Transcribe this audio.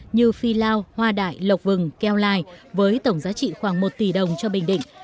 như phi lao hoa đại lộc vừng keo lai với tổng giá trị khoảng một tỷ đồng cho bình định